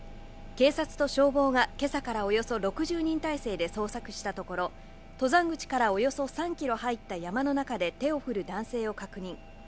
警察と消防がけさからおよそ６０人態勢で捜索したところ、登山口からおよそ３キロ入った山の中で手を振る男性を確認。